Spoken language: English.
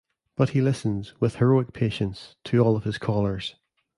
But he listens, with heroic patience, to all of his callers.